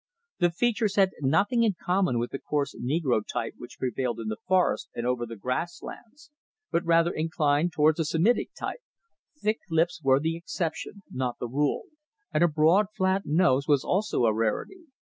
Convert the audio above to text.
The features had nothing in common with the coarse negro type which prevailed in the forest and over the grass lands, but rather inclined towards a Semitic type. Thick lips were the exception, not the rule, and a broad flat nose was also a rarity.